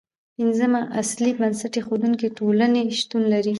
پنځه اصلي بنسټ ایښودونکې ټولنې شتون لري.